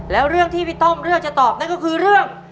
แล้วเรื่องที่พี่ต้อมเลือกจะตอบนั่นก็คือเรื่อง